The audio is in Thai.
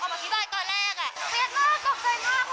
ก็ต้องขอโทษด้วยทำให้เสียงมากรู้สึกจริงค่ะ